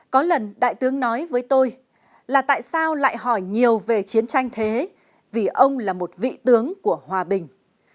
có lần đại tướng nói với tôi là tại sao lại hỏi nhiều về chiến tranh thế vì ông là một vị tướng của hòa bình